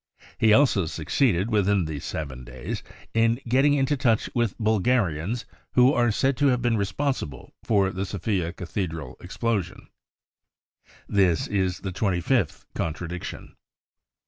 He also succeeded, within these 7 days, in getting into touch with Bulgarians who are said to have been responsible for the Sofia cathedral explosion. This is the twenty fifth contradiction.